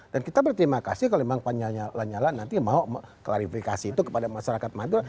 dan kita berterima kasih kalau memang pak nyala nyala nanti mau klarifikasi itu kepada masyarakat madura